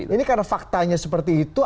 ini karena faktanya seperti itu